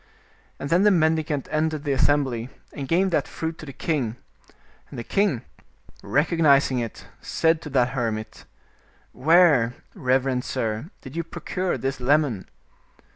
And then the mendi cant entered the assembly, and gave that fruit to the king, and the king, recognizing it, said to that hermit, " Where, reverend sir, did you procure this lemon?"